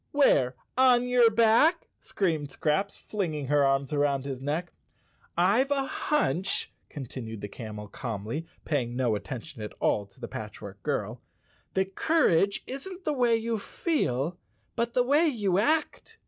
"Where? On your back?" screamed Scraps, fling¬ ing her arms about his neck. "Tve a hunch," continued the camel calmly, paying no attention at all to the Patchwork Girl, "that courage isn't the way you feel, but the way you act.